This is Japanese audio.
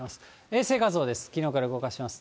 衛星画像です。